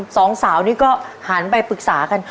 สองสาวนี่ก็หันไปปรึกษากัน